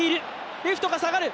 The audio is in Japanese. レフトが下がる。